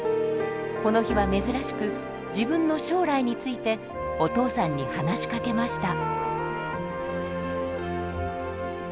この日は珍しく自分の将来についてお父さんに話しかけました。